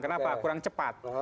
kenapa kurang cepat